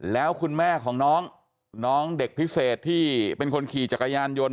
แล้วคุณแม่ของน้องน้องเด็กพิเศษที่เป็นคนขี่จักรยานยนต์